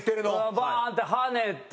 バンって跳ねて。